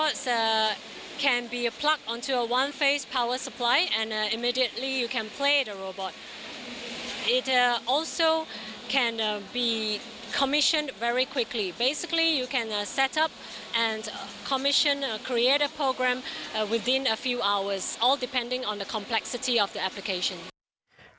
โดยสามารถตั้งค่าผ่านระบบทัชสกรีนตั้งค่าโดยไม่จำเป็นตั้งค่าโดยไม่จำเป็นต้องอาศัยความรู้